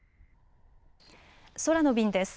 空の便です。